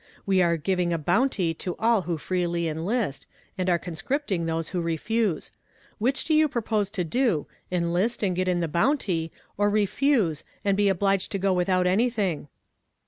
We are giving a bounty to all who freely enlist, and are conscripting those who refuse. Which do you propose to do, enlist and get the bounty, or refuse, and be obliged to go without anything?"